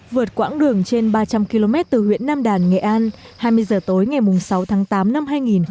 vượt quãng đường trên ba trăm linh km từ huyện nam đàn nghệ an hai mươi giờ tối ngày sáu tháng tám năm hai nghìn hai mươi